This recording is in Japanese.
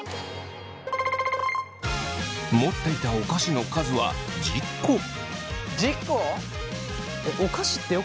持っていたお菓子の数は１０個。